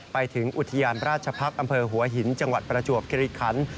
ไปถึงอุทยานราชภักษ์อำเภอหัวหินจังหวัดประจวบคิริคัน